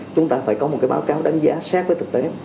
chúng ta phải có một cái báo cáo đánh giá sát với thực tế